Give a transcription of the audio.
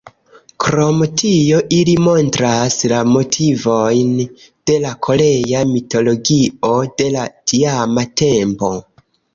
Krom tio, ili montras la motivojn de la korea mitologio de la tiama tempo.